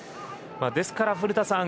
ですから古田さん。